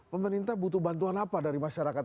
pemerintah butuh bantuan apa dari masyarakat